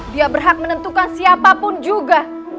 dia berhak menentukan siapapun juga